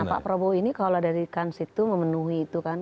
nah pak prabowo ini kalau dari kans itu memenuhi itu kan